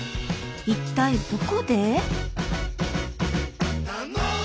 一体どこで？